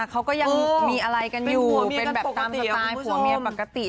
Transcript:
เขาก็ยังมีอะไรกันอยู่เป็นแบบผู้หาเมียปกติ